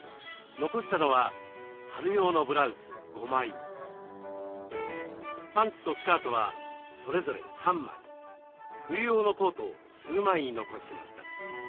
残したのはパンツとスカートはそれぞれ３枚冬用のコートを数枚残しました。